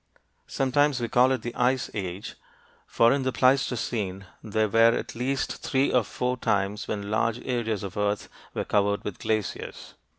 Sometimes we call it the Ice Age, for in the Pleistocene there were at least three or four times when large areas of earth were covered with glaciers.